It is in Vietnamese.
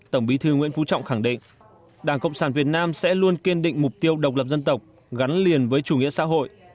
tổng bí thư nguyễn phú trọng khẳng định đảng cộng sản việt nam sẽ luôn kiên định mục tiêu độc lập dân tộc gắn liền với chủ nghĩa xã hội